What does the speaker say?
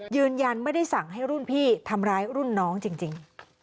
ยืนยันไม่ได้สั่งให้รุ่นพี่ทำร้ายรุ่นน้องจริง